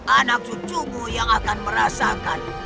anak cucumu yang akan merasakan